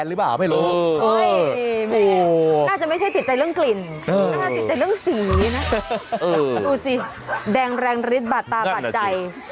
เออดูสิแดงแรงลิ่นบาดตาบาดใจ